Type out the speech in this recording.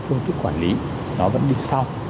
phương tích quản lý nó vẫn đi sau